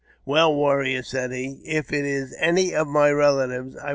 "Well, warrior," said he, if it is any of my relatives, I JAMES P.